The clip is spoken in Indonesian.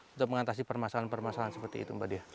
untuk mengatasi permasalahan permasalahan seperti itu mbak dea